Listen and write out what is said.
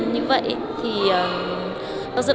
như vậy thì